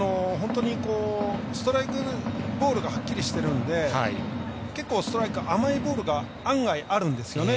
ストライク、ボールがはっきりしてるんで結構、ストライク甘いボールが案外あるんですよね。